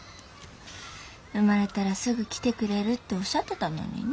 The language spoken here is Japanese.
生まれたらすぐ来てくれるっておっしゃってたのにね。